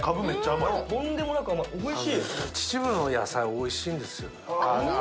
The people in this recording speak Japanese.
秩父の野菜、味が濃いんですね。